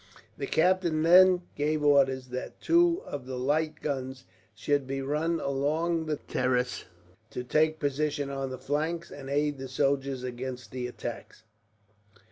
The captain then gave orders that two of the light guns should be run along the terrace, to take position on the flanks, and aid the soldiers against the attacks.